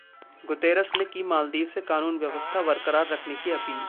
Guterres ने की मालदीव से कानून व्यवस्था बरकरार रखने की अपील